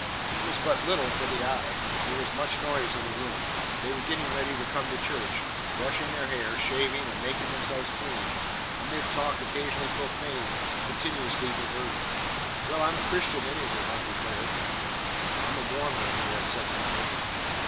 There was but little for the eye. There was much noise in the room. They were getting ready to come to church, brushing their hair, shaving, and making themselves clean, amid talk occasionally profane and continuously diverting. "Well, I'm a Christian, anyway," one declared. "I'm a Mormon, I guess," said another.